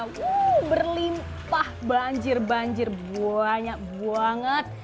wuh berlimpah banjir banjir banyak banget